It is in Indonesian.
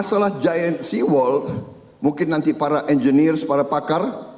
masalah giant sea wall mungkin nanti para engineers para pakar